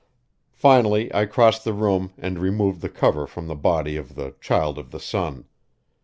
Finally I crossed the room and removed the cover from the body of the Child of the Sun.